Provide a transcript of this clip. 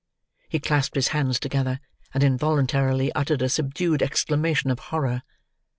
He clasped his hands together, and involuntarily uttered a subdued exclamation of horror.